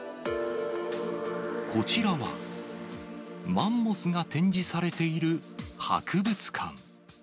こちらはマンモスが展示されている博物館。